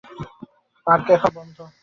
Park এখন বন্ধ।